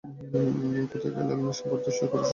কোথায় গেল সেই পরিতুষ্ট পরিপুষ্ট সুগোল মুখচ্ছবি।